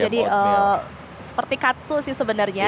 jadi seperti katsu sih sebenernya